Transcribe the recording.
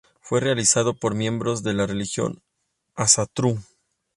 Fue realizado por miembros de la religión Ásatrú.